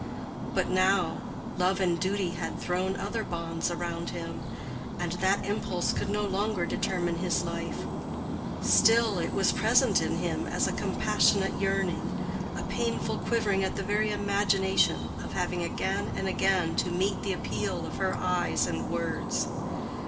But now, love and duty had thrown other bonds around him, and that impulse could no longer determine his life; still, it was present in him as a compassionate yearning, a painful quivering at the very imagination of having again and again to meet the appeal of her eyes and words.